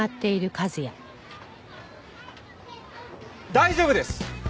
大丈夫です！